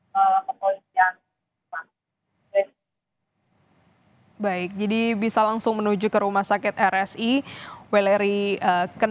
termasuk satu orang ketik turka di australia